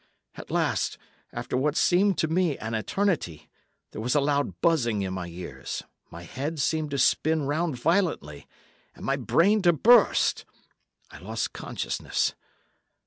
At last, after what seemed to me an eternity, there was a loud buzzing in my ears, my head seemed to spin round violently, and my brain to burst. I lost consciousness.